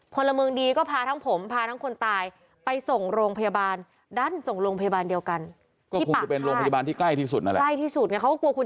อผลมึงดีก็พาทั้งผมทั้งคนตายไปส่งโรงพยาบาล